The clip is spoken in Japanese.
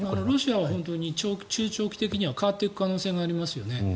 ロシアは中長期的には変わっていく可能性がありますよね。